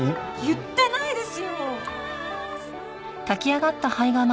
言ってないですよ！